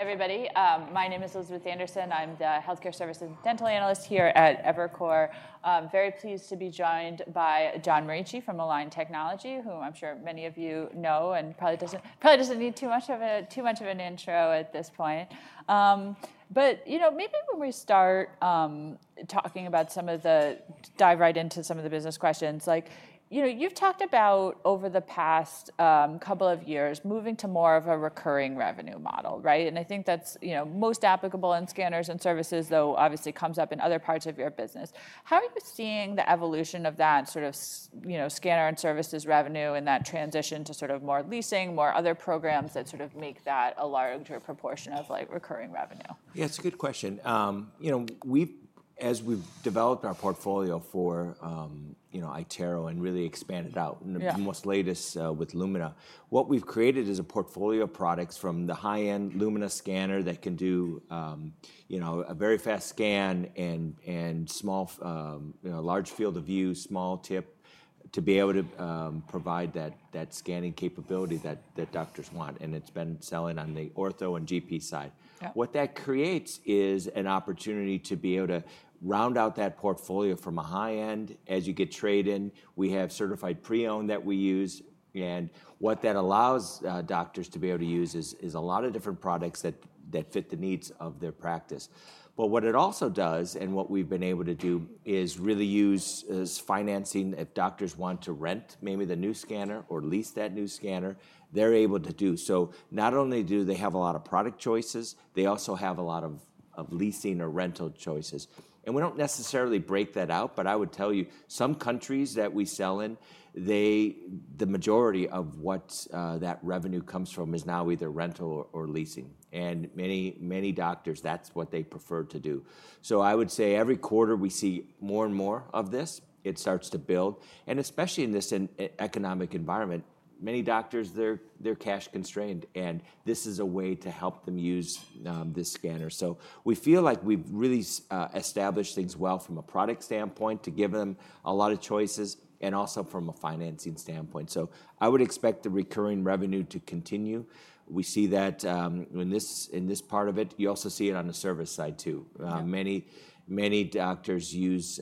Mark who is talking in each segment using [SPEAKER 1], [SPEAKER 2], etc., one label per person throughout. [SPEAKER 1] Everybody, my name is Elizabeth Anderson. I'm the Healthcare Services Dental Analyst here at Evercore. I'm very pleased to be joined by John Morici from Align Technology, who I'm sure many of you know and probably doesn't need too much of an intro at this point. But maybe when we start talking about some of the dive right into some of the business questions, you've talked about over the past couple of years moving to more of a recurring revenue model, right? And I think that's most applicable in scanners and services, though obviously comes up in other parts of your business. How are you seeing the evolution of that sort of scanner and services revenue and that transition to sort of more leasing, more other programs that sort of make that a larger proportion of recurring revenue?
[SPEAKER 2] Yeah, it's a good question. As we've developed our portfolio for iTero and really expanded out in the most latest with Lumina, what we've created is a portfolio of products from the high-end Lumina scanner that can do a very fast scan and large field of view, small tip, to be able to provide that scanning capability that doctors want, and it's been selling on the ortho and GP side. What that creates is an opportunity to be able to round out that portfolio from a high end. As you get trade-in, we have certified pre-owned that we use, and what that allows doctors to be able to use is a lot of different products that fit the needs of their practice. What it also does, and what we've been able to do, is really use as financing if doctors want to rent maybe the new scanner or lease that new scanner, they're able to do. So not only do they have a lot of product choices, they also have a lot of leasing or rental choices. And we don't necessarily break that out, but I would tell you some countries that we sell in, the majority of what that revenue comes from is now either rental or leasing. And many doctors, that's what they prefer to do. So I would say every quarter we see more and more of this. It starts to build. And especially in this economic environment, many doctors, they're cash constrained. And this is a way to help them use this scanner. So we feel like we've really established things well from a product standpoint to give them a lot of choices and also from a financing standpoint. So I would expect the recurring revenue to continue. We see that in this part of it. You also see it on the service side too. Many doctors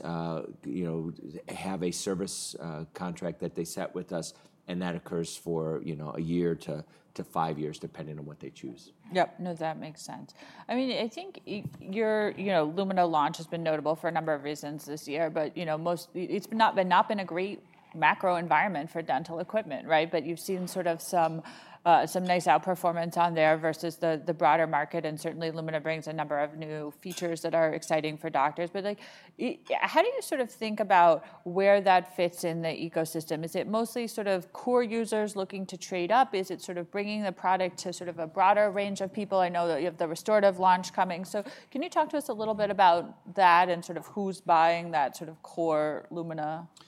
[SPEAKER 2] have a service contract that they set with us, and that occurs for a year to five years, depending on what they choose.
[SPEAKER 1] Yep, no, that makes sense. I mean, I think your Lumina launch has been notable for a number of reasons this year, but it's not been a great macro environment for dental equipment, right? But you've seen sort of some nice outperformance on there versus the broader market. And certainly, Lumina brings a number of new features that are exciting for doctors. But how do you sort of think about where that fits in the ecosystem? Is it mostly sort of core users looking to trade up? Is it sort of bringing the product to sort of a broader range of people? I know that you have the restorative launch coming. So can you talk to us a little bit about that and sort of who's buying that sort of core Lumina product?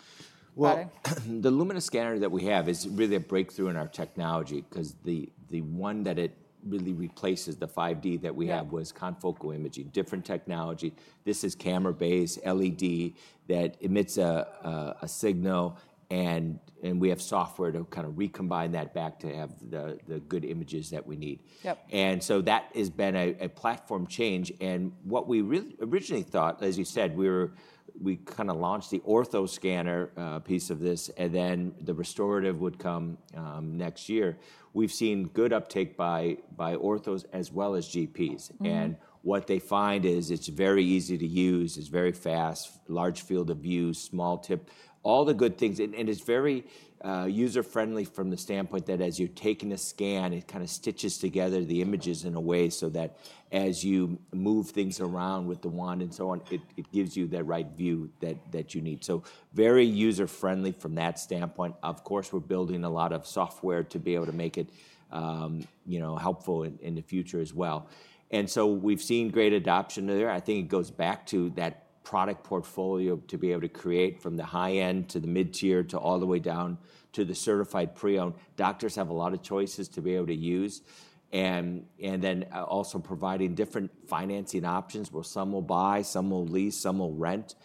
[SPEAKER 2] The Lumina scanner that we have is really a breakthrough in our technology because the one that it really replaces, the 5D that we have, was confocal imaging, different technology. This is camera-based LED that emits a signal, and we have software to kind of recombine that back to have the good images that we need. That has been a platform change. What we originally thought, as you said, we kind of launched the ortho scanner piece of this, and then the restorative would come next year. We've seen good uptake by orthos as well as GPs. What they find is it's very easy to use, it's very fast, large field of view, small tip, all the good things. It's very user-friendly from the standpoint that as you're taking a scan, it kind of stitches together the images in a way so that as you move things around with the wand and so on, it gives you the right view that you need. Very user-friendly from that standpoint. Of course, we're building a lot of software to be able to make it helpful in the future as well. We've seen great adoption there. I think it goes back to that product portfolio to be able to create from the high end to the mid-tier to all the way down to the certified pre-owned. Doctors have a lot of choices to be able to use. Providing different financing options, where some will buy, some will lease, some will rent.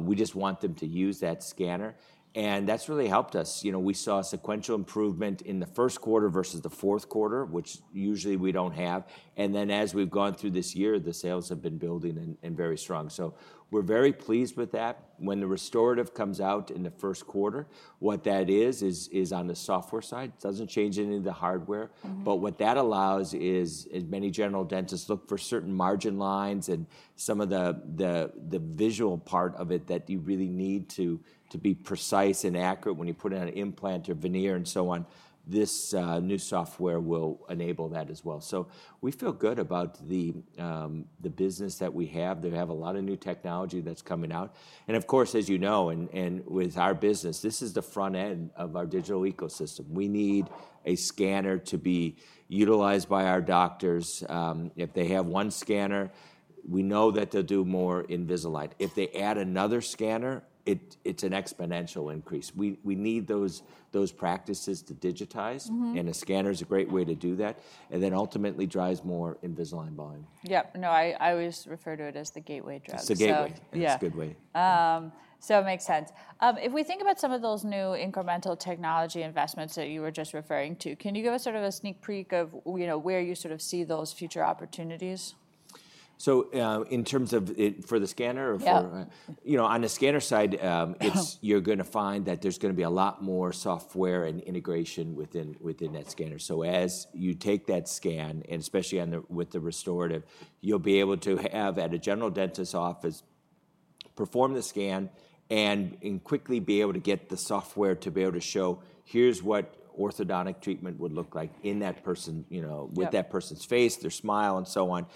[SPEAKER 2] We just want them to use that scanner. That's really helped us. We saw a sequential improvement in the first quarter versus the fourth quarter, which usually we don't have. And then as we've gone through this year, the sales have been building and very strong, so we're very pleased with that. When the restorative comes out in the first quarter, what that is, is on the software side. It doesn't change any of the hardware. But what that allows is many general dentists look for certain margin lines and some of the visual part of it that you really need to be precise and accurate when you put in an implant or veneer and so on. This new software will enable that as well, so we feel good about the business that we have. They have a lot of new technology that's coming out. Of course, as you know, and with our business, this is the front end of our digital ecosystem. We need a scanner to be utilized by our doctors. If they have one scanner, we know that they'll do more Invisalign. If they add another scanner, it's an exponential increase. We need those practices to digitize, and a scanner is a great way to do that. Then ultimately drives more Invisalign volume.
[SPEAKER 1] Yep, no, I always refer to it as the gateway drug.
[SPEAKER 2] It's the gateway.
[SPEAKER 1] So it makes sense. If we think about some of those new incremental technology investments that you were just referring to, can you give us sort of a sneak peek of where you sort of see those future opportunities?
[SPEAKER 2] In terms of the scanner or on the scanner side, you're going to find that there's going to be a lot more software and integration within that scanner. As you take that scan, and especially with the restorative, you'll be able to have at a general dentist's office perform the scan and quickly be able to get the software to be able to show, here's what orthodontic treatment would look like in that person with that person's face, their smile, and so on,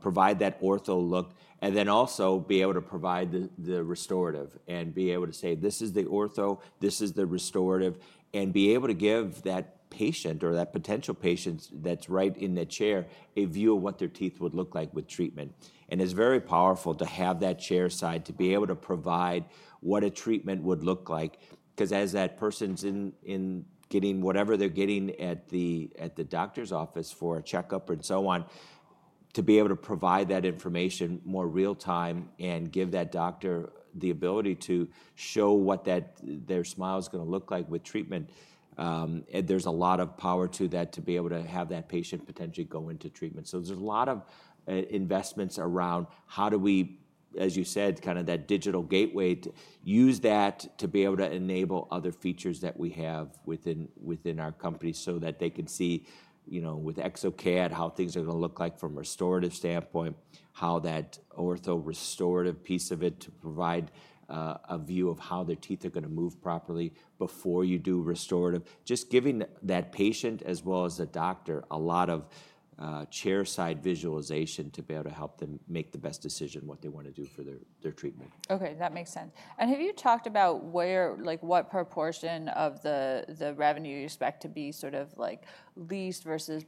[SPEAKER 2] provide that ortho look. Then also be able to provide the restorative and be able to say, this is the ortho, this is the restorative, and be able to give that patient or that potential patient that's right in that chair a view of what their teeth would look like with treatment. And it's very powerful to have that chairside to be able to provide what a treatment would look like. Because as that person's in getting whatever they're getting at the doctor's office for a checkup and so on, to be able to provide that information more real time and give that doctor the ability to show what their smile is going to look like with treatment, there's a lot of power to that to be able to have that patient potentially go into treatment. So there's a lot of investments around how do we, as you said, kind of that digital gateway, use that to be able to enable other features that we have within our company so that they can see with exocad how things are going to look like from a restorative standpoint. How that ortho restorative piece of it to provide a view of how their teeth are going to move properly before you do restorative. Just giving that patient as well as the doctor a lot of chairside visualization to be able to help them make the best decision what they want to do for their treatment.
[SPEAKER 1] Okay, that makes sense, and have you talked about what proportion of the revenue you expect to be sort of leased versus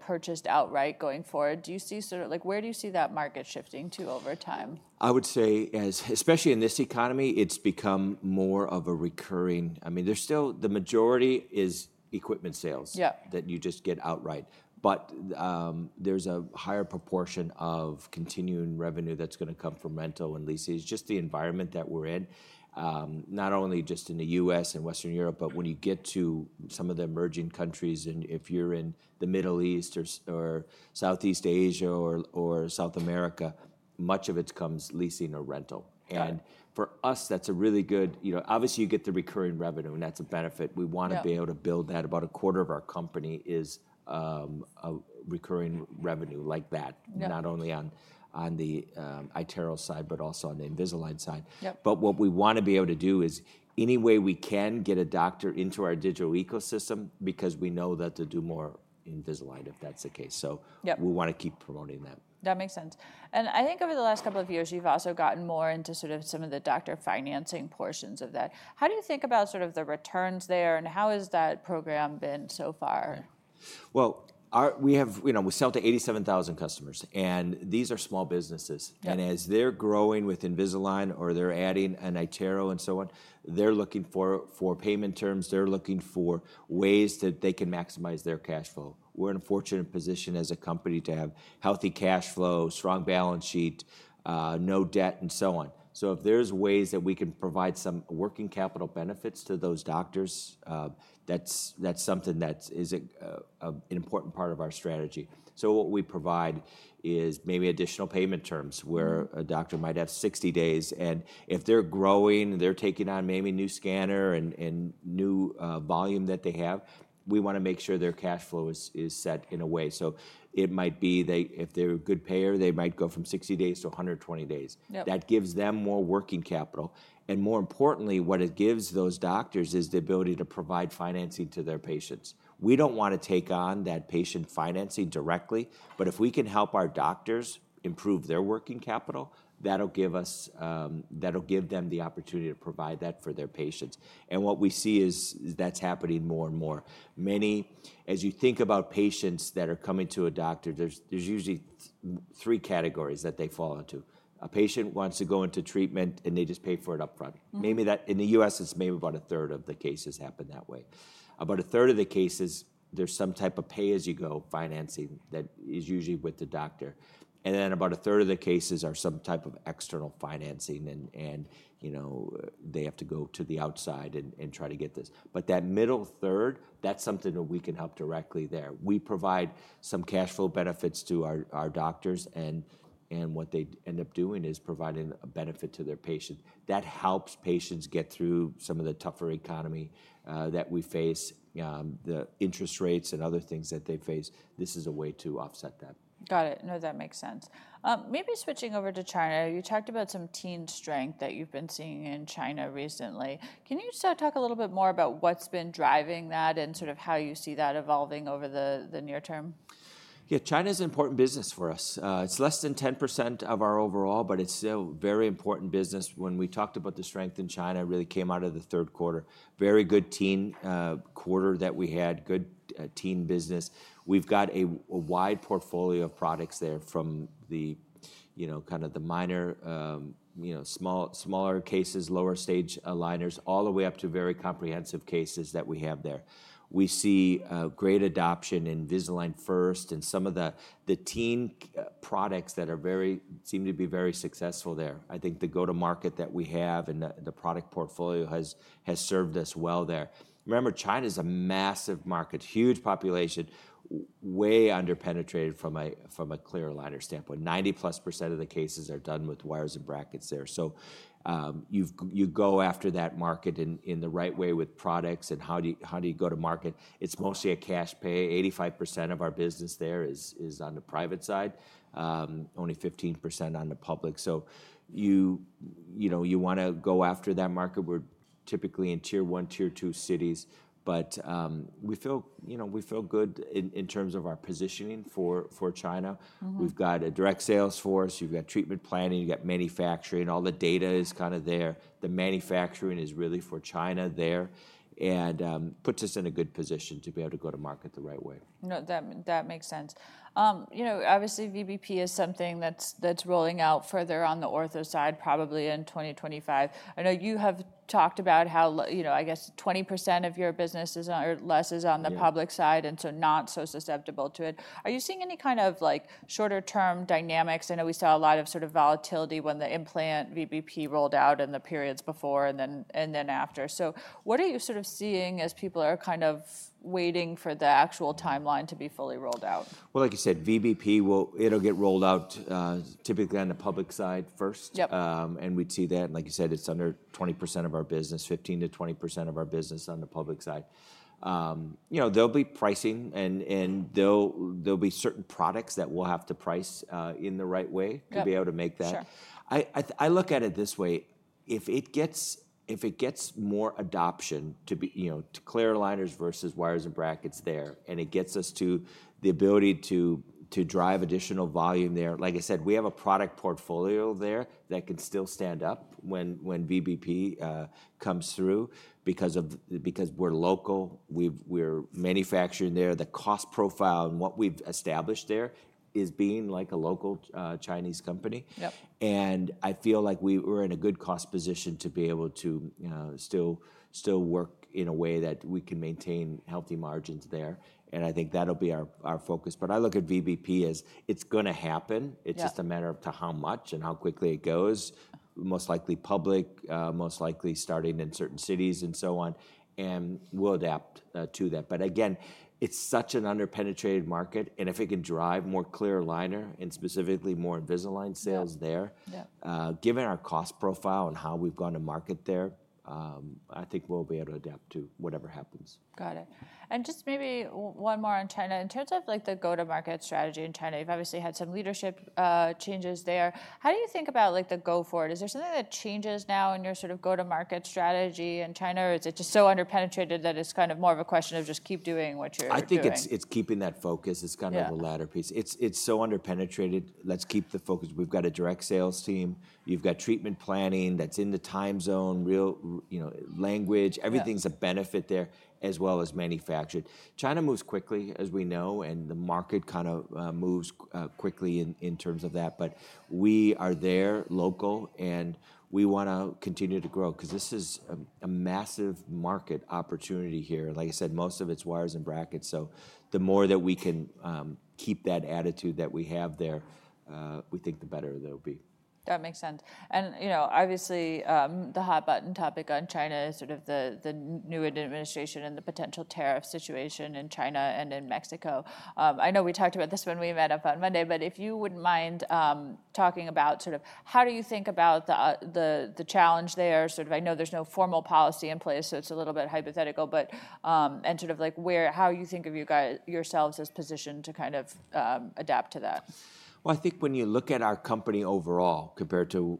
[SPEAKER 1] purchased outright going forward? Do you see sort of where do you see that market shifting to over time?
[SPEAKER 2] I would say, especially in this economy, it's become more of a recurring. I mean, there's still the majority is equipment sales that you just get outright. But there's a higher proportion of continuing revenue that's going to come from rental and leases. Just the environment that we're in, not only just in the U.S. and Western Europe, but when you get to some of the emerging countries, and if you're in the Middle East or Southeast Asia or South America, much of it comes leasing or rental. And for us, that's a really good obviously, you get the recurring revenue, and that's a benefit. We want to be able to build that. About a quarter of our company is recurring revenue like that, not only on the iTero side, but also on the Invisalign side. But what we want to be able to do is any way we can get a doctor into our digital ecosystem because we know that they'll do more Invisalign if that's the case. So we want to keep promoting that.
[SPEAKER 1] That makes sense. And I think over the last couple of years, you've also gotten more into sort of some of the doctor financing portions of that. How do you think about sort of the returns there and how has that program been so far?
[SPEAKER 2] We sell to 87,000 customers, and these are small businesses. As they're growing with Invisalign or they're adding an iTero and so on, they're looking for payment terms. They're looking for ways that they can maximize their cash flow. We're in a fortunate position as a company to have healthy cash flow, strong balance sheet, no debt, and so on. If there's ways that we can provide some working capital benefits to those doctors, that's something that is an important part of our strategy. What we provide is maybe additional payment terms where a doctor might have 60 days. If they're growing, they're taking on maybe new scanner and new volume that they have, we want to make sure their cash flow is set in a way. It might be if they're a good payer, they might go from 60 days to 120 days. That gives them more working capital. And more importantly, what it gives those doctors is the ability to provide financing to their patients. We don't want to take on that patient financing directly, but if we can help our doctors improve their working capital, that'll give them the opportunity to provide that for their patients. And what we see is that's happening more and more. As you think about patients that are coming to a doctor, there's usually three categories that they fall into. A patient wants to go into treatment and they just pay for it upfront. In the U.S., it's maybe about 1/3 of the cases happen that way. About 1/3 of the cases, there's some type of pay-as-you-go financing that is usually with the doctor. And then about 1/3 of the cases are some type of external financing, and they have to go to the outside and try to get this. But that middle third, that's something that we can help directly there. We provide some cash flow benefits to our doctors, and what they end up doing is providing a benefit to their patient. That helps patients get through some of the tougher economy that we face, the interest rates and other things that they face. This is a way to offset that.
[SPEAKER 1] Got it. No, that makes sense. Maybe switching over to China, you talked about some teen strength that you've been seeing in China recently. Can you talk a little bit more about what's been driving that and sort of how you see that evolving over the near term?
[SPEAKER 2] Yeah, China is an important business for us. It's less than 10% of our overall, but it's still a very important business. When we talked about the strength in China, it really came out of the third quarter. Very good teen quarter that we had, good teen business. We've got a wide portfolio of products there from kind of the minor smaller cases, lower stage aligners, all the way up to very comprehensive cases that we have there. We see great adoption in Invisalign First and some of the teen products that seem to be very successful there. I think the go-to-market that we have and the product portfolio has served us well there. Remember, China is a massive market, huge population, way underpenetrated from a clear aligner standpoint. 90%+ of the cases are done with wires and brackets there. So you go after that market in the right way with products and how do you go to market. It's mostly a cash pay. 85% of our business there is on the private side, only 15% on the public. So you want to go after that market. We're typically in Tier 1, Tier 2 cities, but we feel good in terms of our positioning for China. We've got a direct sales force. You've got treatment planning. You've got manufacturing. All the data is kind of there. The manufacturing is really for China there and puts us in a good position to be able to go to market the right way.
[SPEAKER 1] No, that makes sense. Obviously, VBP is something that's rolling out further on the ortho side probably in 2025. I know you have talked about how, I guess, 20% of your business or less is on the public side and so not so susceptible to it. Are you seeing any kind of shorter-term dynamics? I know we saw a lot of sort of volatility when the implant VBP rolled out in the periods before and then after. So what are you sort of seeing as people are kind of waiting for the actual timeline to be fully rolled out?
[SPEAKER 2] Like you said, VBP. It'll get rolled out typically on the public side first. We'd see that. Like you said, it's under 20% of our business, 15%-20% of our business on the public side. There'll be pricing and there'll be certain products that we'll have to price in the right way to be able to make that. I look at it this way. If it gets more adoption to clear aligners versus wires and brackets there, and it gets us to the ability to drive additional volume there, like I said, we have a product portfolio there that can still stand up when VBP comes through because we're local, we're manufacturing there. The cost profile and what we've established there is being like a local Chinese company. And I feel like we're in a good cost position to be able to still work in a way that we can maintain healthy margins there. And I think that'll be our focus. But I look at VBP as it's going to happen. It's just a matter of how much and how quickly it goes, most likely public, most likely starting in certain cities and so on, and we'll adapt to that. But again, it's such an underpenetrated market. And if it can drive more clear aligner and specifically more Invisalign sales there, given our cost profile and how we've gone to market there, I think we'll be able to adapt to whatever happens.
[SPEAKER 1] Got it. And just maybe one more on China. In terms of the go-to-market strategy in China, you've obviously had some leadership changes there. How do you think about the go forward? Is there something that changes now in your sort of go-to-market strategy in China? Or is it just so underpenetrated that it's kind of more of a question of just keep doing what you're doing?
[SPEAKER 2] I think it's keeping that focus. It's kind of the latter piece. It's so underpenetrated. Let's keep the focus. We've got a direct sales team. You've got treatment planning that's in the time zone, real language. Everything's a benefit there as well as manufactured. China moves quickly, as we know, and the market kind of moves quickly in terms of that. But we are there locally and we want to continue to grow because this is a massive market opportunity here. Like I said, most of it's wires and brackets. So the more that we can keep that attitude that we have there, we think the better it'll be.
[SPEAKER 1] That makes sense. And obviously, the hot button topic on China is sort of the new administration and the potential tariff situation in China and in Mexico. I know we talked about this when we met up on Monday, but if you wouldn't mind talking about sort of how do you think about the challenge there? I know there's no formal policy in place, so it's a little bit hypothetical, but sort of how do you think of you yourselves as positioned to kind of adapt to that?
[SPEAKER 2] I think when you look at our company overall compared to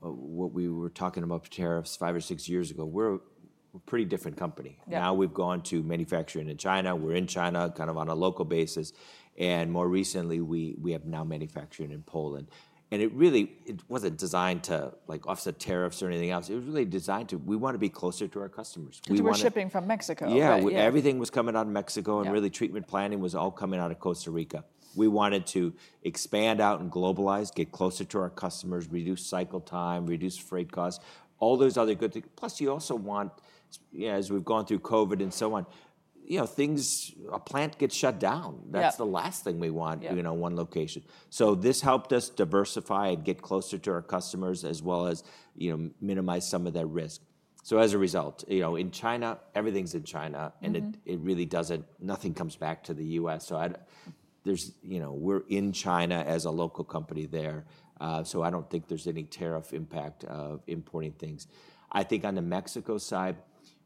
[SPEAKER 2] what we were talking about tariffs five or six years ago, we're a pretty different company. Now we've gone to manufacturing in China. We're in China kind of on a local basis. More recently, we have now manufacturing in Poland. It really wasn't designed to offset tariffs or anything else. It was really designed to we want to be closer to our customers.
[SPEAKER 1] Because you were shipping from Mexico.
[SPEAKER 2] Yeah, everything was coming out of Mexico and really treatment planning was all coming out of Costa Rica. We wanted to expand out and globalize, get closer to our customers, reduce cycle time, reduce freight costs, all those other good things. Plus, you also want, as we've gone through COVID and so on, a plant gets shut down. That's the last thing we want in one location. So this helped us diversify and get closer to our customers as well as minimize some of that risk. So as a result, in China, everything's in China and it really doesn't nothing comes back to the U.S. So we're in China as a local company there. So I don't think there's any tariff impact of importing things. I think on the Mexico side,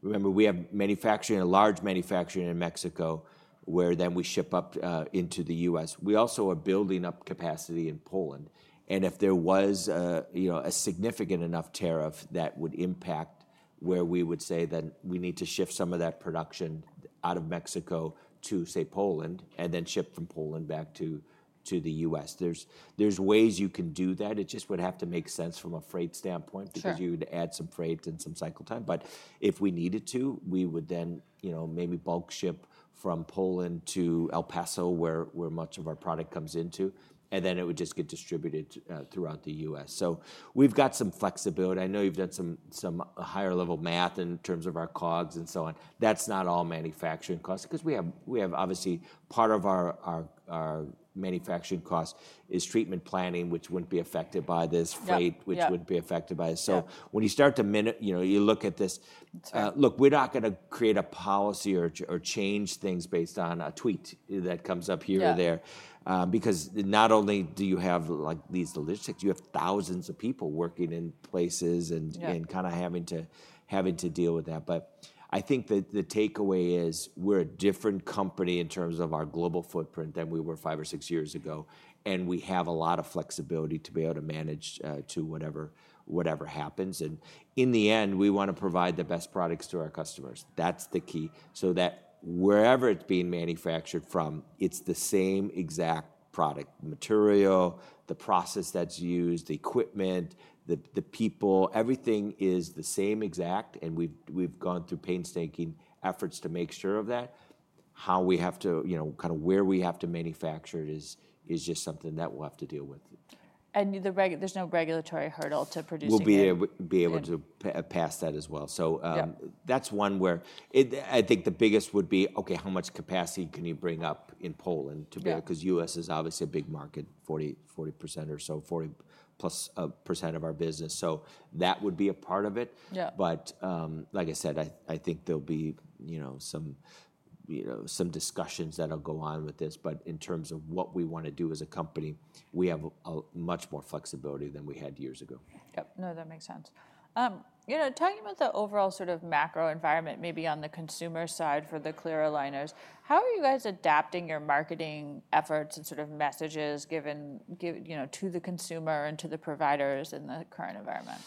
[SPEAKER 2] remember we have manufacturing and large manufacturing in Mexico where then we ship up into the U.S. We also are building up capacity in Poland, and if there was a significant enough tariff that would impact where we would say that we need to shift some of that production out of Mexico to, say, Poland and then ship from Poland back to the U.S. There's ways you can do that. It just would have to make sense from a freight standpoint because you would add some freight and some cycle time, but if we needed to, we would then maybe bulk ship from Poland to El Paso, where much of our product comes into, and then it would just get distributed throughout the U.S., so we've got some flexibility. I know you've done some higher-level math in terms of our COGS and so on. That's not all manufacturing costs because we have obviously part of our manufacturing costs is treatment planning, which wouldn't be affected by this freight, which wouldn't be affected by this. So when you start to look at this, look, we're not going to create a policy or change things based on a tweet that comes up here or there because not only do you have these logistics, you have thousands of people working in places and kind of having to deal with that. But I think that the takeaway is we're a different company in terms of our global footprint than we were five or six years ago. And we have a lot of flexibility to be able to manage to whatever happens. And in the end, we want to provide the best products to our customers. That's the key. So that wherever it's being manufactured from, it's the same exact product, the material, the process that's used, the equipment, the people, everything is the same exact. And we've gone through painstaking efforts to make sure of that. How we have to kind of where we have to manufacture it is just something that we'll have to deal with.
[SPEAKER 1] There's no regulatory hurdle to produce it.
[SPEAKER 2] We'll be able to pass that as well, so that's one where I think the biggest would be, okay, how much capacity can you bring up in Poland to be able because the U.S. is obviously a big market, 40% or so, 40%+ of our business, so that would be a part of it. But like I said, I think there'll be some discussions that'll go on with this, but in terms of what we want to do as a company, we have much more flexibility than we had years ago.
[SPEAKER 1] Yep. No, that makes sense. Talking about the overall sort of macro environment, maybe on the consumer side for the clear aligners, how are you guys adapting your marketing efforts and sort of messages given to the consumer and to the providers in the current environment?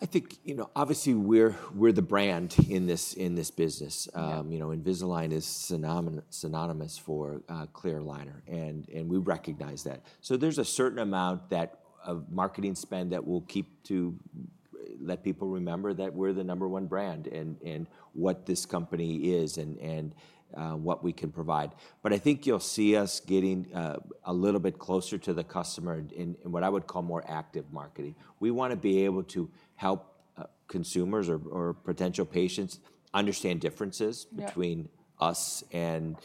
[SPEAKER 2] I think obviously we're the brand in this business. Invisalign is synonymous for clear aligner and we recognize that. So there's a certain amount of marketing spend that we'll keep to let people remember that we're the number one brand and what this company is and what we can provide. But I think you'll see us getting a little bit closer to the customer in what I would call more active marketing. We want to be able to help consumers or potential patients understand differences between us and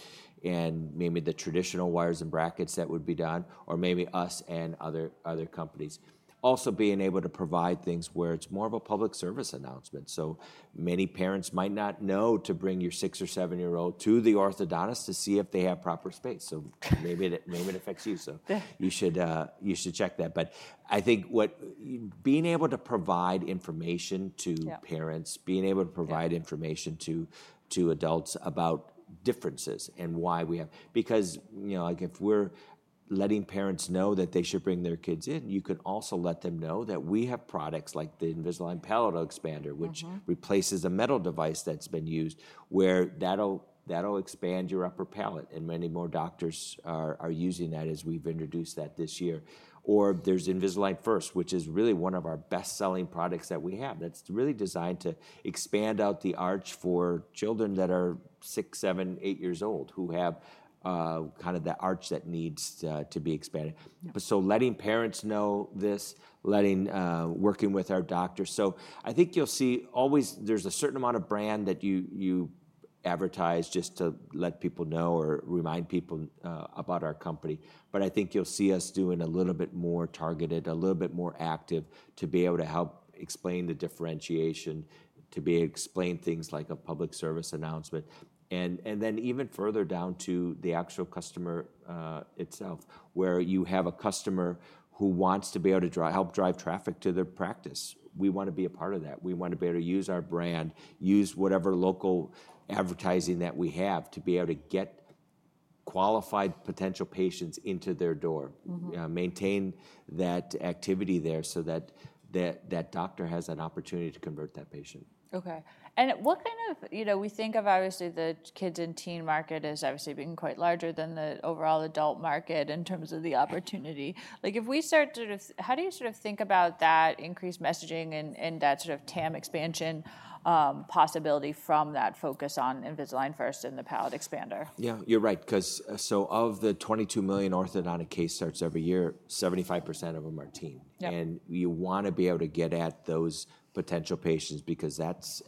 [SPEAKER 2] maybe the traditional wires and brackets that would be done or maybe us and other companies. Also being able to provide things where it's more of a public service announcement. So many parents might not know to bring your six or seven-year-old to the orthodontist to see if they have proper space. So maybe it affects you. So you should check that. But I think being able to provide information to parents, being able to provide information to adults about differences and why we have because if we're letting parents know that they should bring their kids in, you can also let them know that we have products like the Invisalign Palatal Expander, which replaces a metal device that's been used where that'll expand your upper palate. And many more doctors are using that as we've introduced that this year. Or there's Invisalign First, which is really one of our best-selling products that we have that's really designed to expand out the arch for children that are six, seven, eight years old who have kind of the arch that needs to be expanded. So letting parents know this, working with our doctors. So I think you'll see always there's a certain amount of brand that you advertise just to let people know or remind people about our company. But I think you'll see us doing a little bit more targeted, a little bit more active to be able to help explain the differentiation, to be able to explain things like a public service announcement. And then even further down to the actual customer itself where you have a customer who wants to be able to help drive traffic to their practice. We want to be a part of that. We want to be able to use our brand, use whatever local advertising that we have to be able to get qualified potential patients into their door, maintain that activity there so that that doctor has an opportunity to convert that patient.
[SPEAKER 1] Okay. And what kind of we think of obviously the kids and teen market as obviously being quite larger than the overall adult market in terms of the opportunity. If we start sort of how do you sort of think about that increased messaging and that sort of TAM expansion possibility from that focus on Invisalign First and the palate expander?
[SPEAKER 2] Yeah, you're right. Because of the 22 million orthodontic case starts every year, 75% of them are teens. And you want to be able to get at those potential patients because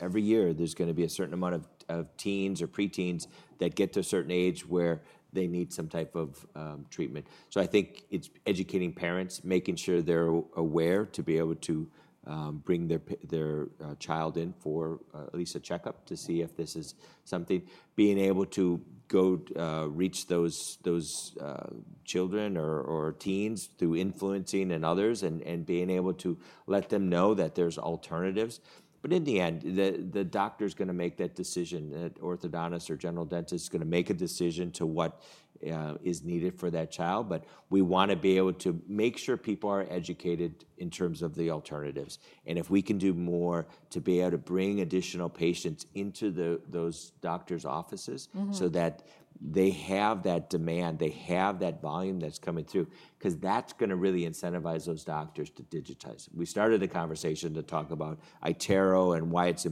[SPEAKER 2] every year there's going to be a certain amount of teens or pre-teens that get to a certain age where they need some type of treatment. So I think it's educating parents, making sure they're aware to be able to bring their child in for at least a checkup to see if this is something, being able to go reach those children or teens through influencers and others and being able to let them know that there's alternatives. But in the end, the doctor's going to make that decision. An orthodontist or general dentist is going to make a decision to what is needed for that child. But we want to be able to make sure people are educated in terms of the alternatives. And if we can do more to be able to bring additional patients into those doctors' offices so that they have that demand, they have that volume that's coming through because that's going to really incentivize those doctors to digitize. We started the conversation to talk about iTero and why it's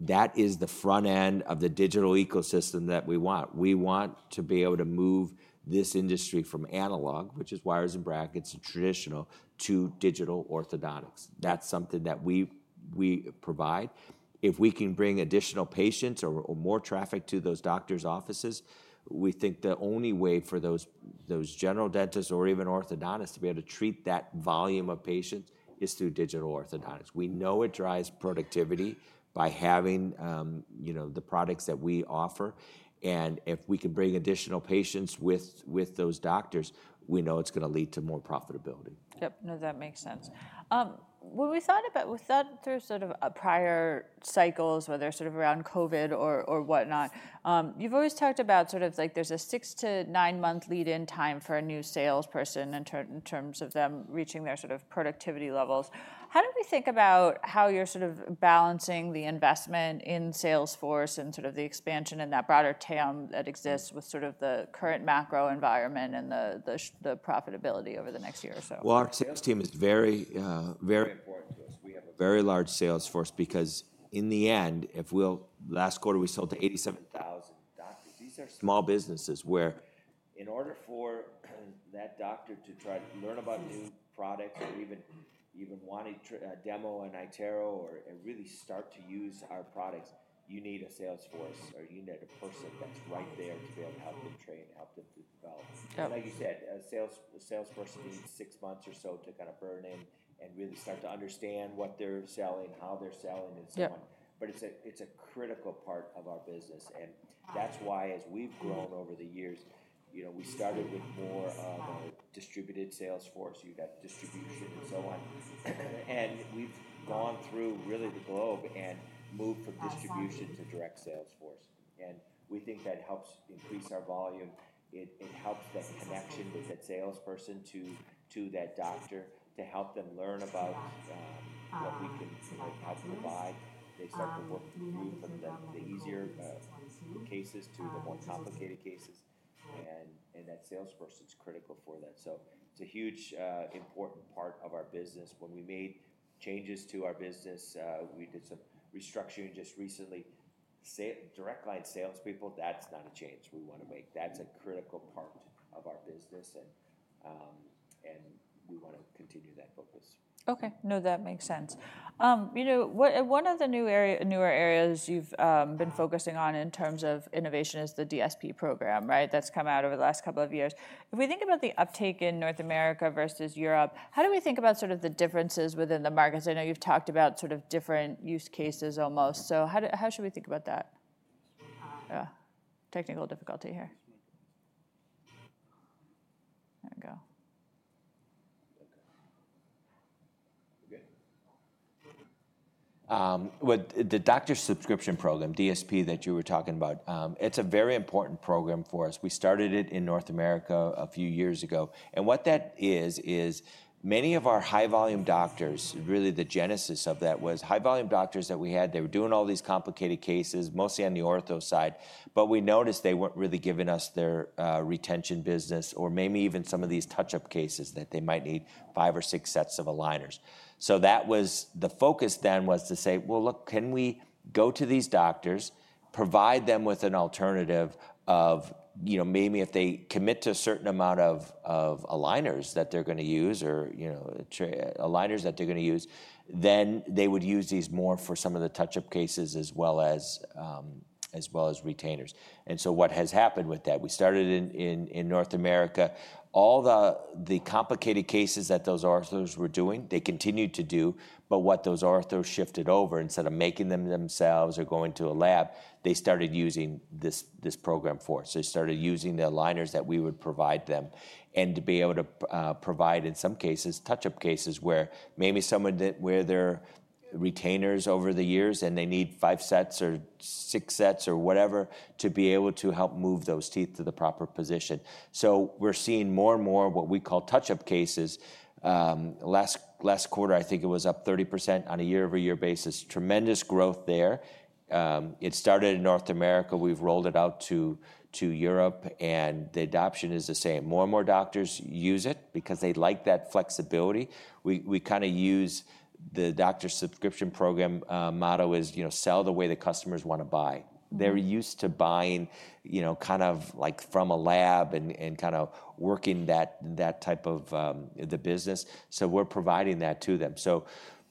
[SPEAKER 2] important. That is the front end of the digital ecosystem that we want. We want to be able to move this industry from analog, which is wires and brackets and traditional, to digital orthodontics. That's something that we provide. If we can bring additional patients or more traffic to those doctors' offices, we think the only way for those general dentists or even orthodontists to be able to treat that volume of patients is through digital orthodontics. We know it drives productivity by having the products that we offer, and if we can bring additional patients with those doctors, we know it's going to lead to more profitability.
[SPEAKER 1] Yep. No, that makes sense. When we thought through sort of prior cycles, whether sort of around COVID or whatnot, you've always talked about sort of there's a six- to nine-month lead-in time for a new salesperson in terms of them reaching their sort of productivity levels. How do we think about how you're sort of balancing the investment in sales force and sort of the expansion and that broader TAM that exists with sort of the current macro environment and the profitability over the next year or so?
[SPEAKER 2] Our sales team is very, very important to us. We have a very large sales force because in the end, last quarter, we sold to 87,000 doctors. These are small businesses where in order for that doctor to try to learn about new products or even want to demo an iTero or really start to use our products, you need a sales force or you need a person that's right there to be able to help them train, help them to develop. Like you said, a sales force needs six months or so to kind of burn in and really start to understand what they're selling, how they're selling and so on. But it's a critical part of our business. And that's why as we've grown over the years, we started with more of a distributed sales force. You got distribution and so on. And we've gone through really the globe and moved from distribution to direct sales force. And we think that helps increase our volume. It helps that connection with that salesperson to that doctor to help them learn about what we can provide. They start to work through from the easier cases to the more complicated cases. And that sales force is critical for that. So it's a huge important part of our business. When we made changes to our business, we did some restructuring just recently. Direct line salespeople, that's not a change we want to make. That's a critical part of our business. And we want to continue that focus.
[SPEAKER 1] Okay. No, that makes sense. One of the newer areas you've been focusing on in terms of innovation is the DSP program, right, that's come out over the last couple of years. If we think about the uptake in North America versus Europe, how do we think about sort of the differences within the markets? I know you've talked about sort of different use cases almost. So how should we think about that? Technical difficulty here. There we go.
[SPEAKER 2] The Doctor Subscription Program, DSP that you were talking about, it's a very important program for us. We started it in North America a few years ago, and what that is, is many of our high-volume doctors, really the genesis of that was high-volume doctors that we had. They were doing all these complicated cases, mostly on the ortho side, but we noticed they weren't really giving us their retention business or maybe even some of these touch-up cases that they might need five or six sets of aligners, so the focus then was to say, well, look, can we go to these doctors, provide them with an alternative of maybe if they commit to a certain amount of aligners that they're going to use or aligners that they're going to use, then they would use these more for some of the touch-up cases as well as retainers. And so what has happened with that? We started in North America. All the complicated cases that those orthos were doing, they continued to do. But what those orthos shifted over, instead of making them themselves or going to a lab, they started using this program for. So they started using the aligners that we would provide them and to be able to provide in some cases, touch-up cases where maybe someone did wear their retainers over the years and they need five sets or six sets or whatever to be able to help move those teeth to the proper position. So we're seeing more and more what we call touch-up cases. Last quarter, I think it was up 30% on a year-over-year basis. Tremendous growth there. It started in North America. We've rolled it out to Europe. And the adoption is the same. More and more doctors use it because they like that flexibility. We kind of use the Doctor Subscription Program motto is sell the way the customers want to buy. They're used to buying kind of like from a lab and kind of working that type of the business. So we're providing that to them. So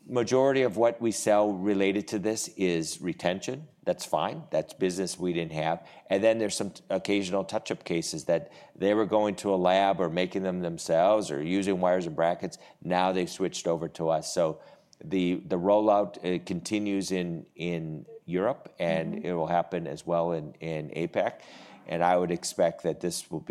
[SPEAKER 2] majority of what we sell related to this is retention. That's fine. That's business we didn't have. And then there's some occasional touch-up cases that they were going to a lab or making them themselves or using wires and brackets. Now they've switched over to us. So the rollout continues in Europe, and it will happen as well in APAC. And I would expect that this will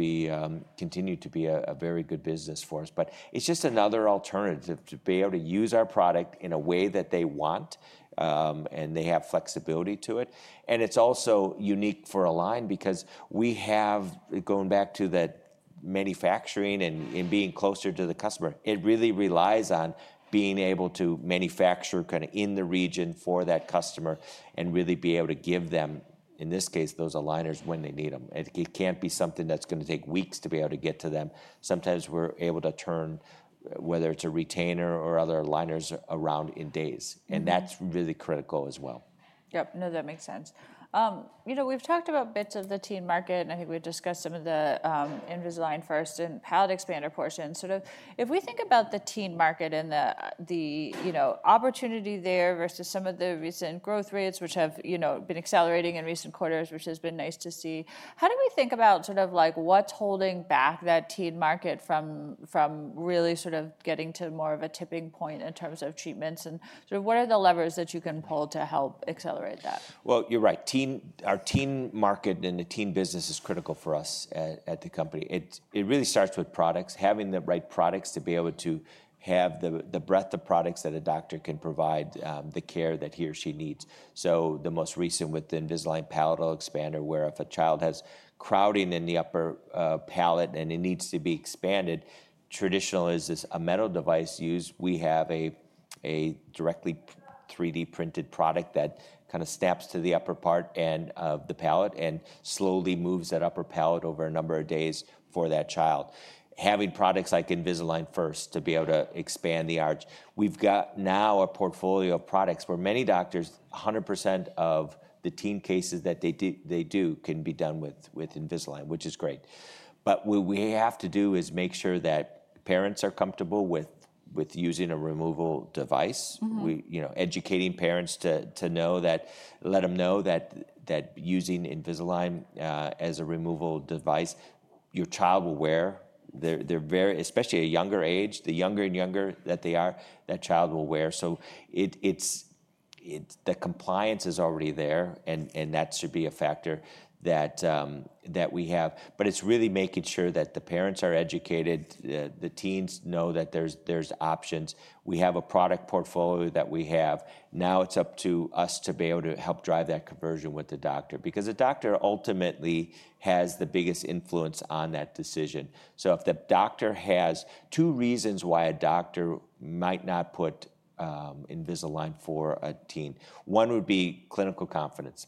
[SPEAKER 2] continue to be a very good business for us. But it's just another alternative to be able to use our product in a way that they want and they have flexibility to it. And it's also unique for Align because we have, going back to the manufacturing and being closer to the customer, it really relies on being able to manufacture kind of in the region for that customer and really be able to give them, in this case, those aligners when they need them. It can't be something that's going to take weeks to be able to get to them. Sometimes we're able to turn, whether it's a retainer or other aligners around in days. And that's really critical as well.
[SPEAKER 1] Yep. No, that makes sense. We've talked about bits of the teen market. I think we've discussed some of the Invisalign First and palate expander portion. Sort of if we think about the teen market and the opportunity there versus some of the recent growth rates, which have been accelerating in recent quarters, which has been nice to see, how do we think about sort of what's holding back that teen market from really sort of getting to more of a tipping point in terms of treatments? And sort of what are the levers that you can pull to help accelerate that?
[SPEAKER 2] Well, you're right. Our teen market and the teen business is critical for us at the company. It really starts with products, having the right products to be able to have the breadth of products that a doctor can provide the care that he or she needs. So the most recent with the Invisalign Palatal Expander, where if a child has crowding in the upper palate and it needs to be expanded, traditionally a metal device is used. We have a direct 3D printed product that kind of snaps to the upper part of the palate and slowly moves that upper palate over a number of days for that child. Having products like Invisalign First to be able to expand the arch. We've got now a portfolio of products where many doctors, 100% of the teen cases that they do can be done with Invisalign, which is great. But what we have to do is make sure that parents are comfortable with using a removable device, educating parents to let them know that using Invisalign as a removable device, your child will wear their, especially a younger age, the younger and younger that they are, that child will wear. So the compliance is already there, and that should be a factor that we have. But it's really making sure that the parents are educated, the teens know that there's options. We have a product portfolio that we have. Now it's up to us to be able to help drive that conversion with the doctor because the doctor ultimately has the biggest influence on that decision. So if the doctor has two reasons why a doctor might not put Invisalign for a teen, one would be clinical confidence.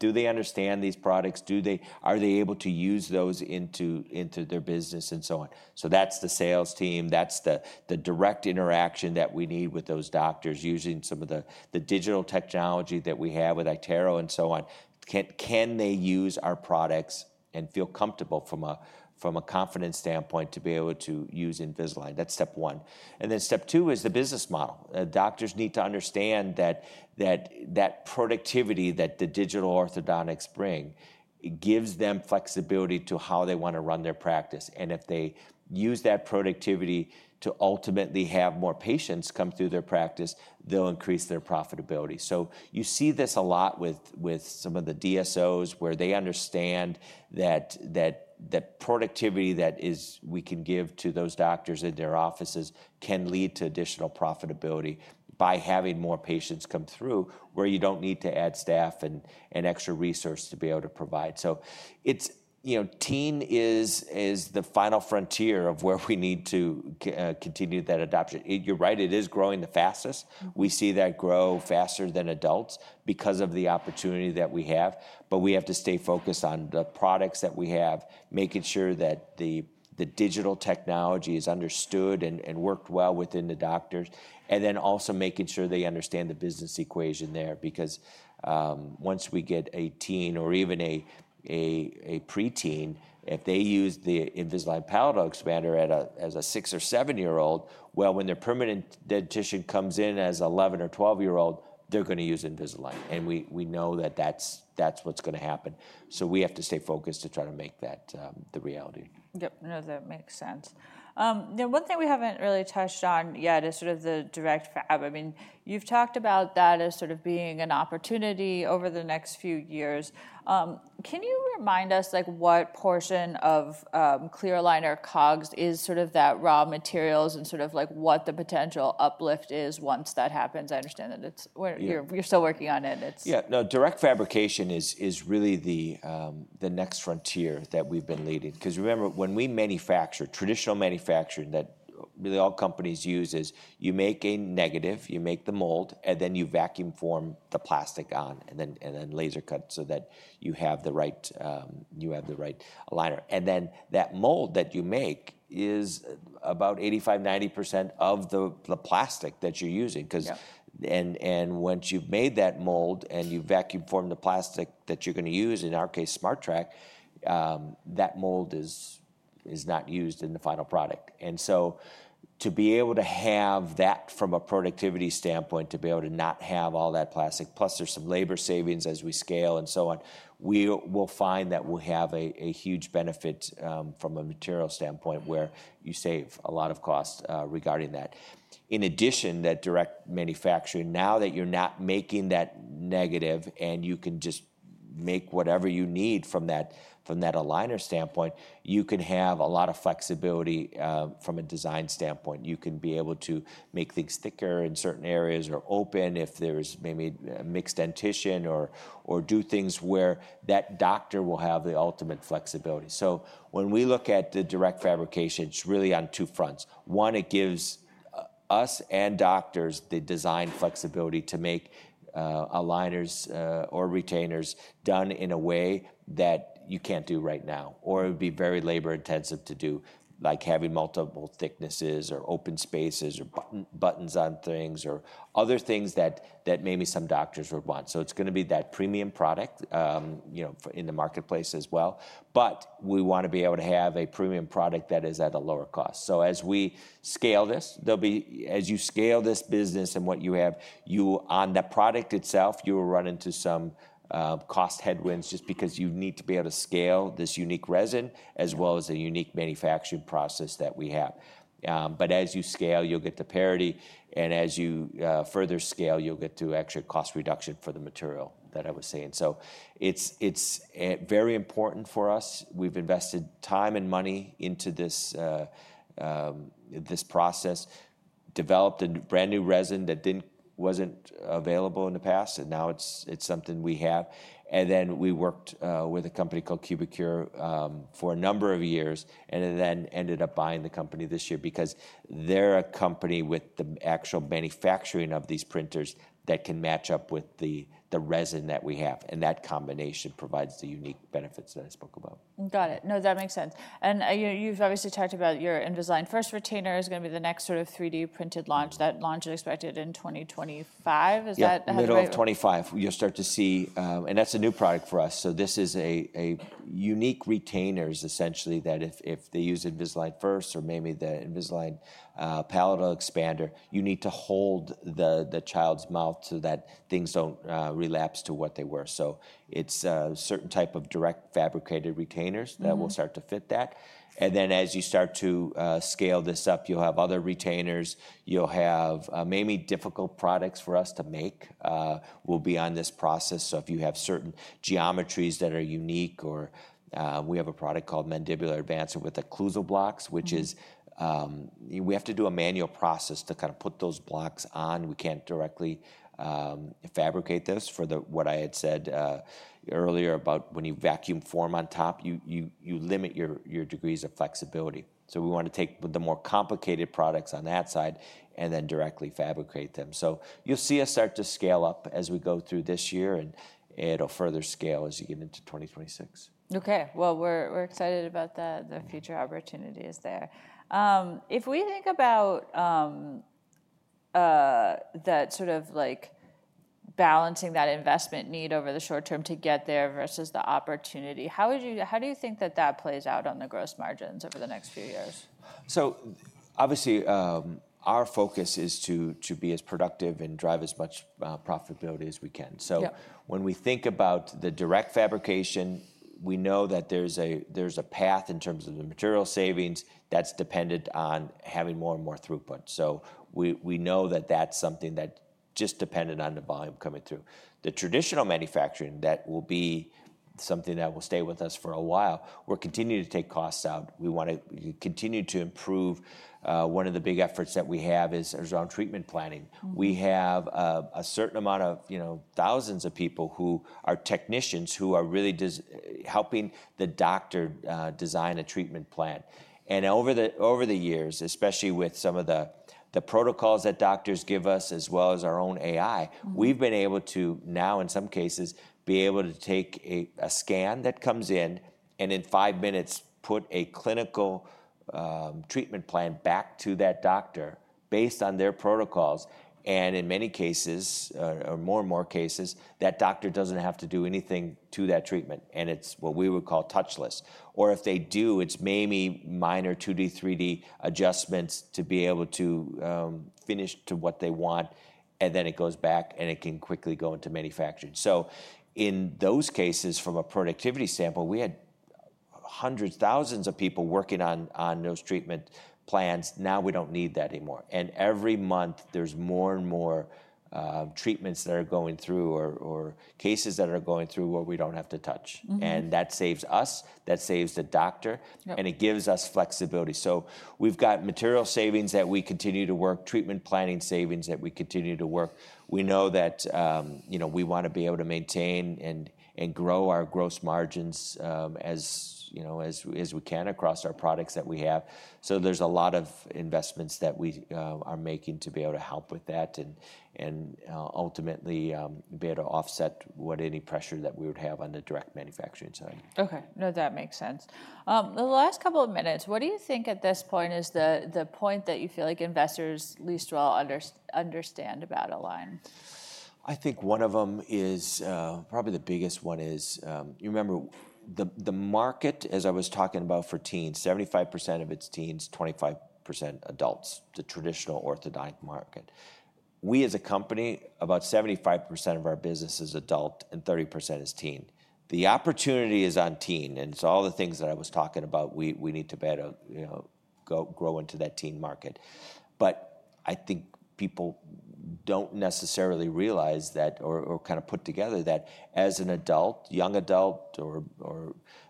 [SPEAKER 2] Do they understand these products? Are they able to use those into their business and so on? So that's the sales team. That's the direct interaction that we need with those doctors using some of the digital technology that we have with iTero and so on. Can they use our products and feel comfortable from a confidence standpoint to be able to use Invisalign? That's step one. And then step two is the business model. Doctors need to understand that productivity that the digital orthodontics bring gives them flexibility to how they want to run their practice. And if they use that productivity to ultimately have more patients come through their practice, they'll increase their profitability. So you see this a lot with some of the DSOs where they understand that the productivity that we can give to those doctors in their offices can lead to additional profitability by having more patients come through where you don't need to add staff and extra resources to be able to provide. So teen is the final frontier of where we need to continue that adoption. You're right. It is growing the fastest. We see that grow faster than adults because of the opportunity that we have. But we have to stay focused on the products that we have, making sure that the digital technology is understood and worked well within the doctors, and then also making sure they understand the business equation there because once we get a teen or even a preteen, if they use the Invisalign Palatal Expander as a six-year-old or seven-year-old, well, when their permanent dentition comes in as an 11-year-old or 12-year-old, they're going to use Invisalign. And we know that that's what's going to happen. So we have to stay focused to try to make that the reality.
[SPEAKER 1] Yep. No, that makes sense. One thing we haven't really touched on yet is sort of the direct fab. I mean, you've talked about that as sort of being an opportunity over the next few years. Can you remind us what portion of clear aligner COGS is sort of that raw materials and sort of what the potential uplift is once that happens? I understand that you're still working on it.
[SPEAKER 2] Yeah. No, direct fabrication is really the next frontier that we've been leading. Because remember, when we manufacture, traditional manufacturing that really all companies use is you make a negative, you make the mold, and then you vacuum form the plastic on and then laser cut so that you have the right aligner. And then that mold that you make is about 85%-90% of the plastic that you're using. And once you've made that mold and you vacuum form the plastic that you're going to use, in our case, SmartTrack, that mold is not used in the final product. And so, to be able to have that from a productivity standpoint, to be able to not have all that plastic, plus there's some labor savings as we scale and so on, we will find that we'll have a huge benefit from a material standpoint where you save a lot of cost regarding that. In addition, that direct fabrication, now that you're not making that negative and you can just make whatever you need from that aligner standpoint, you can have a lot of flexibility from a design standpoint. You can be able to make things thicker in certain areas or open if there's maybe mixed dentition or do things where that doctor will have the ultimate flexibility. So when we look at the direct fabrication, it's really on two fronts. One, it gives us and doctors the design flexibility to make aligners or retainers done in a way that you can't do right now, or it would be very labor-intensive to do, like having multiple thicknesses or open spaces or buttons on things or other things that maybe some doctors would want. So it's going to be that premium product in the marketplace as well. But we want to be able to have a premium product that is at a lower cost. So as we scale this, as you scale this business and what you have, on the product itself, you will run into some cost headwinds just because you need to be able to scale this unique resin as well as a unique manufacturing process that we have. But as you scale, you'll get the parity. And as you further scale, you'll get to extra cost reduction for the material that I was saying. So it's very important for us. We've invested time and money into this process, developed a brand new resin that wasn't available in the past, and now it's something we have. And then we worked with a company called Cubicure for a number of years and then ended up buying the company this year because they're a company with the actual manufacturing of these printers that can match up with the resin that we have. And that combination provides the unique benefits that I spoke about.
[SPEAKER 1] Got it. No, that makes sense. And you've obviously talked about your Invisalign First retainer is going to be the next sort of 3D printed launch. That launch is expected in 2025. Is that?
[SPEAKER 2] Middle of 2025. You'll start to see, and that's a new product for us. So this is a unique retainer, essentially, that if they use Invisalign First or maybe the Invisalign Palatal Expander, you need to hold the child's mouth so that things don't relapse to what they were. So it's a certain type of direct fabricated retainers that will start to fit that. And then as you start to scale this up, you'll have other retainers. You'll have maybe difficult products for us to make. We'll be on this process. So if you have certain geometries that are unique, or we have a product called Mandibular Advancement with occlusal blocks, which is we have to do a manual process to kind of put those blocks on. We can't directly fabricate those. For what I had said earlier about when you vacuum form on top, you limit your degrees of flexibility. So we want to take the more complicated products on that side and then directly fabricate them. So you'll see us start to scale up as we go through this year, and it'll further scale as you get into 2026.
[SPEAKER 1] Okay. Well, we're excited about the future opportunities there. If we think about that sort of balancing that investment need over the short term to get there versus the opportunity, how do you think that that plays out on the gross margins over the next few years?
[SPEAKER 2] So obviously, our focus is to be as productive and drive as much profitability as we can. So when we think about the direct fabrication, we know that there's a path in terms of the material savings that's dependent on having more and more throughput. So we know that that's something that just depended on the volume coming through. The traditional manufacturing, that will be something that will stay with us for a while. We're continuing to take costs out. We want to continue to improve. One of the big efforts that we have is around treatment planning. We have a certain amount of thousands of people who are technicians who are really helping the doctor design a treatment plan. Over the years, especially with some of the protocols that doctors give us as well as our own AI, we've been able to now, in some cases, be able to take a scan that comes in and in five minutes put a clinical treatment plan back to that doctor based on their protocols. In many cases, or more and more cases, that doctor doesn't have to do anything to that treatment. It's what we would call touchless. Or if they do, it's maybe minor 2D, 3D adjustments to be able to finish to what they want. Then it goes back and it can quickly go into manufacturing. In those cases, from a productivity standpoint, we had hundreds, thousands of people working on those treatment plans. Now we don't need that anymore. Every month, there's more and more treatments that are going through or cases that are going through where we don't have to touch. And that saves us, that saves the doctor, and it gives us flexibility. So we've got material savings that we continue to work, treatment planning savings that we continue to work. We know that we want to be able to maintain and grow our gross margins as we can across our products that we have. So there's a lot of investments that we are making to be able to help with that and ultimately be able to offset any pressure that we would have on the direct manufacturing side.
[SPEAKER 1] Okay. No, that makes sense. The last couple of minutes, what do you think at this point is the point that you feel like investors least well understand about Align?
[SPEAKER 2] I think one of them is probably the biggest one. You remember the market, as I was talking about for teens, 75% of it's teens, 25% adults, the traditional orthodontic market. We, as a company, about 75% of our business is adult and 30% is teen. The opportunity is on teen. And so all the things that I was talking about, we need to better grow into that teen market. But I think people don't necessarily realize that or kind of put together that as an adult, young adult or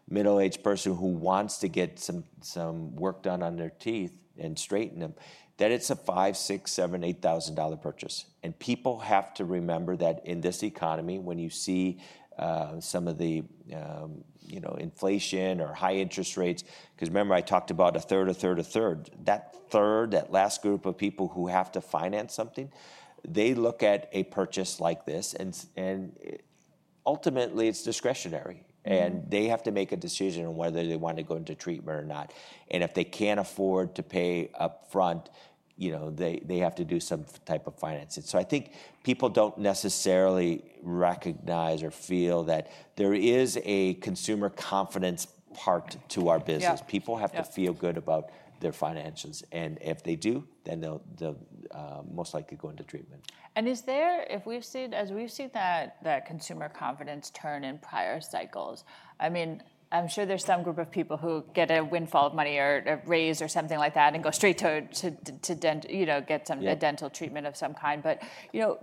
[SPEAKER 2] middle-aged person who wants to get some work done on their teeth and straighten them, that it's a $5,000-$8,000 purchase. And people have to remember that in this economy, when you see some of the inflation or high interest rates, because remember I talked about 1/3, 1/3, 1/3, that third, that last group of people who have to finance something, they look at a purchase like this. And ultimately, it's discretionary. And they have to make a decision on whether they want to go into treatment or not. And if they can't afford to pay upfront, they have to do some type of financing. So I think people don't necessarily recognize or feel that there is a consumer confidence part to our business. People have to feel good about their finances. And if they do, then they'll most likely go into treatment.
[SPEAKER 1] And is there, as we've seen that consumer confidence turn in prior cycles? I mean, I'm sure there's some group of people who get a windfall of money or a raise or something like that and go straight to get some dental treatment of some kind. But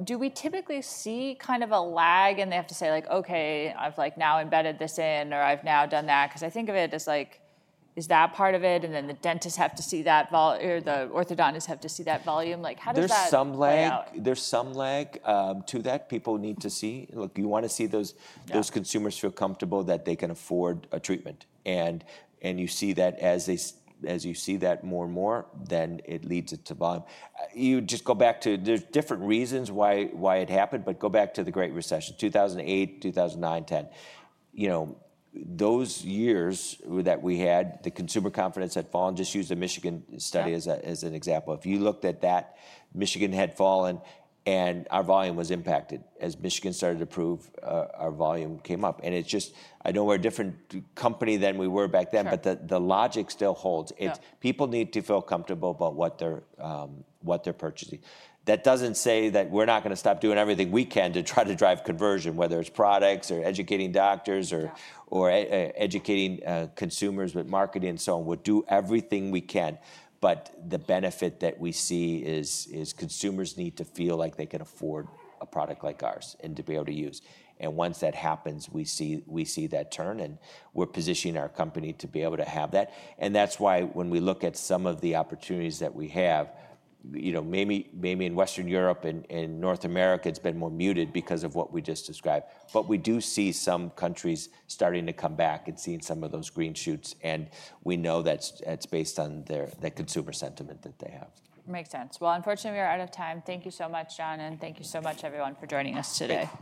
[SPEAKER 1] do we typically see kind of a lag and they have to say, like, okay, I've now embedded this in or I've now done that? Because I think of it as like, is that part of it? And then the dentists have to see that or the orthodontists have to see that volume. How does that?
[SPEAKER 2] There's some lag to that people need to see. You want to see those consumers feel comfortable that they can afford a treatment. And you see that as you see that more and more, then it leads to volume. You just go back to there's different reasons why it happened, but go back to the Great Recession, 2008, 2009, 2010. Those years that we had, the consumer confidence had fallen. Just use the Michigan study as an example. If you looked at that, Michigan had fallen and our volume was impacted as Michigan started to improve, our volume came up. And it's just, I know we're a different company than we were back then, but the logic still holds. People need to feel comfortable about what they're purchasing. That doesn't say that we're not going to stop doing everything we can to try to drive conversion, whether it's products or educating doctors or educating consumers with marketing and so on. We'll do everything we can. But the benefit that we see is consumers need to feel like they can afford a product like ours and to be able to use. And once that happens, we see that turn. And we're positioning our company to be able to have that. And that's why when we look at some of the opportunities that we have, maybe in Western Europe and North America, it's been more muted because of what we just described. But we do see some countries starting to come back and seeing some of those green shoots. And we know that's based on the consumer sentiment that they have.
[SPEAKER 1] Makes sense. Well, unfortunately, we are out of time. Thank you so much, John, and thank you so much, everyone, for joining us today.